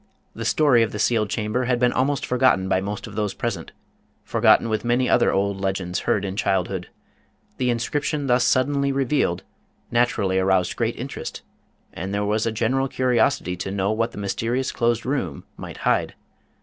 The story of the sealed chamber had been almost forgot ten by most of those present, forgotten with many other old legends heard in childhood. The inscription thus sud denly revealed naturally aroused great interest, and there was a general curiosity to know what the mysterious closed room might hide.